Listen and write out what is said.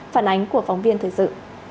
phản ánh của phóng viên thời sự